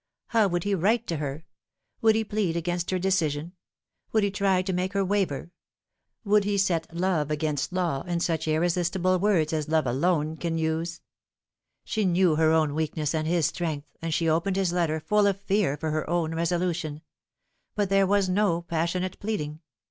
How would he write to her ? "Would he plead against her decision ? would he try to make her waver ? would he set love against law, in such irresistible words as love alone can use ? She knew her own weakness and his strength, and she opened his letter full of fear for her own resolution : but there was no passionate pleading.